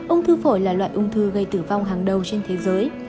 ung thư phổi là loại ung thư gây tử vong hàng đầu trên thế giới